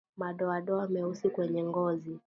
Madoadoa meusi kwenye ngozi